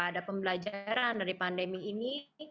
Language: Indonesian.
ada pembelajaran dari pandemi ini